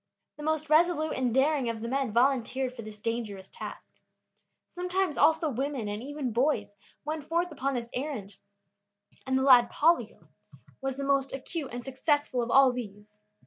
The most resolute and daring of the men volunteered for this dangerous task. Sometimes also women, and even boys, went forth upon this errand, and the lad Pollio was the most acute and successful of all these.